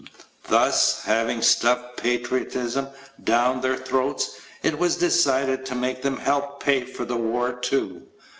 Thus, having stuffed patriotism down their throats, it was decided to make them help pay for the war, too.